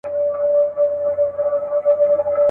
د ماهر فنکار د لاس مجسمه وه.